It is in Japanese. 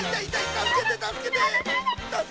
たすけてたすけて。